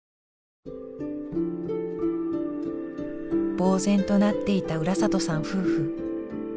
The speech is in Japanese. ぼう然となっていた浦里さん夫婦。